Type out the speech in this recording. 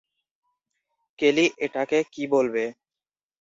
কেলি এটাকে কি বলবে?